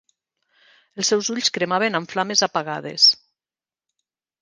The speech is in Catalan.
Els seus ulls cremaven amb flames apagades.